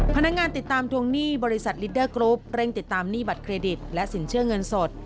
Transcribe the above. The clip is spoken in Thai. พนักงานติดตามทวงหนี้บริษัทลิดเดอร์กรุ๊ปเร่งติดตามหนี้บัตรเครดิตและสินเชื่อเงินสด